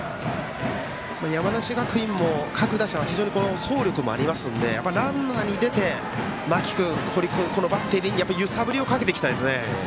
山梨学院も各打者は非常に走力もありますのでランナーに出て間木君、堀君、バッテリーに揺さぶりをかけていきたいですね。